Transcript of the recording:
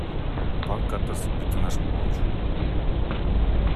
Банк картасы бирден ашык болгону үчүн.